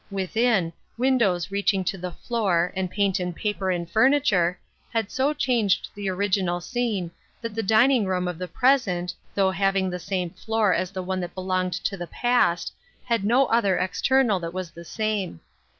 Within, windows reaching to the floor, and paint and paper and furniture, had so changed the original scene that the dining room of the present, though having the same floor as the one that belonged to the past, had no other external that was the same.